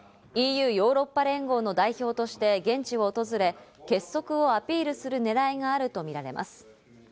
ＥＵ＝ヨーロッパ連合の代表として現地を訪れ、結束をアピールするねらいがあるとみられます。